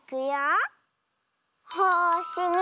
よし。